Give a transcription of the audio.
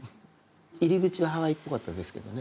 入り口はハワイっぽかったですけどね。